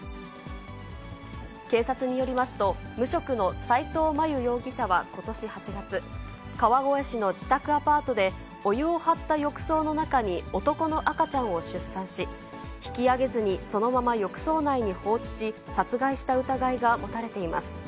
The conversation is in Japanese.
警察によりますと、無職の斎藤真悠容疑者はことし８月、川越市の自宅アパートで、お湯を張った浴槽の中に男の赤ちゃんを出産し、引き上げずにそのまま浴槽内に放置し、殺害した疑いが持たれています。